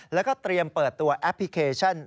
แล้วก็เตรียมเปิดตัวแอปพลิเคชัน